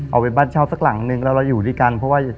เอาไปบ้านเช่าสักหลังนึงแล้วเราอยู่ด้วยกันเพราะว่า